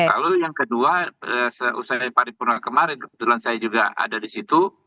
lalu yang kedua selesai paripurna kemarin kebetulan saya juga ada di situ